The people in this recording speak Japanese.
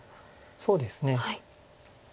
そうですね。